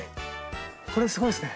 これすごいっすね。